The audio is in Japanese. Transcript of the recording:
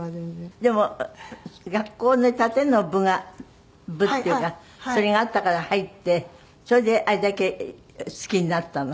でも学校で殺陣の部が部っていうかそれがあったから入ってそれであれだけ好きになったの？